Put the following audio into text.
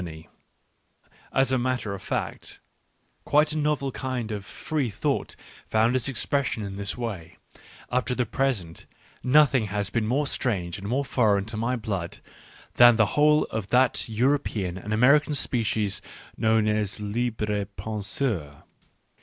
— Tr, Digitized by Google 80 ECCE HOMO thought found its expression in this way : up to the present nothing has been more strange and more foreign to my blood than the whole of that European and American species known as litres penseurs.